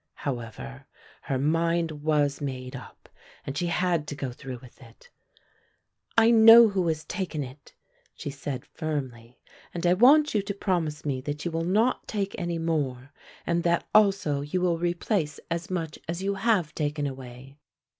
However, her mind was made up and she had to go through with it. "I know who has taken it," she said firmly, "and I want you to promise me that you will not take any more and that also you will replace as much as you have taken away."